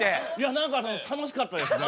何かね楽しかったですね。